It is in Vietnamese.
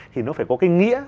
thì nó phải có cái nghĩa